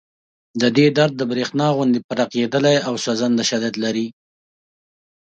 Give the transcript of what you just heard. د دې درد د برېښنا غوندې پړقېدلی او سوځنده شدت لري